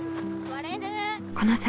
この先